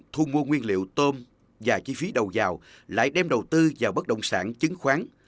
thu mua nguyên liệu tôm và chi phí đầu giàu lại đem đầu tư vào bất động sản chứng khoán